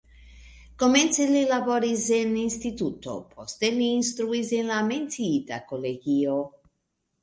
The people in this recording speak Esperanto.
Komence li laboris en instituto, poste li instruis en la menciita kolegio.